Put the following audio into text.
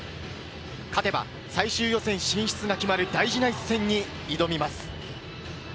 勝てば最終予選進出が決まる大事な一戦に挑みます。